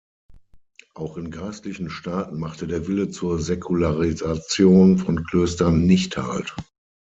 Auch in geistlichen Staaten machte der Wille zur Säkularisation von Klöstern nicht halt.